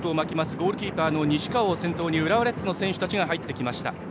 ゴールキーパーの西川を先頭に浦和レッズの選手たちが入ってきました。